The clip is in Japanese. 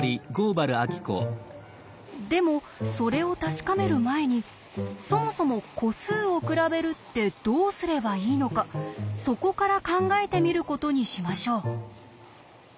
でもそれを確かめる前にそもそも個数を比べるってどうすればいいのかそこから考えてみることにしましょう。